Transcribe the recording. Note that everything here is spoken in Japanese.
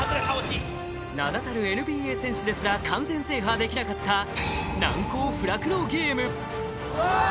いっ名だたるＮＢＡ選手ですら完全制覇できなかった難攻不落のゲームわーっ！